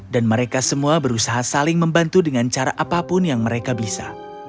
dan mereka semua berusaha saling membantu dengan cara apapun yang mereka bisa